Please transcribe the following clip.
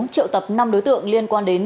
triệu tập năm đối tượng liên quan đến